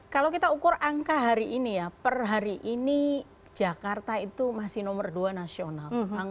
kalau kita ukur angka hari ini ya per hari ini jakarta itu masih nomor dua nasional